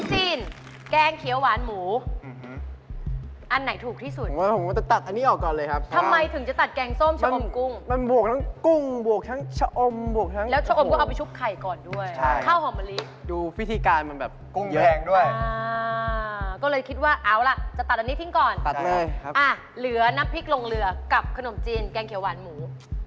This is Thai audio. เหลือนับพริกโรงเหลือกับขนมจีนแกงเขียวหวานหมู